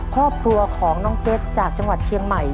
ครอบครัวของน้องเจ็ดจากจังหวัดเชียงใหม่